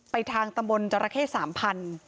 ไปทางตะบลจราเข้สามพันธุ์